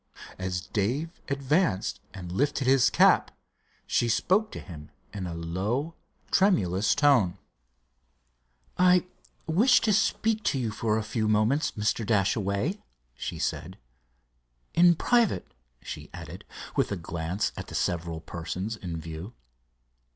As Dave advanced and lifted his cap she spoke to him in a low, tremulous tone. "I wish to speak to you for a few moments, Mr. Dashaway," she said. "In private," she added, with a glance at the several persons in view.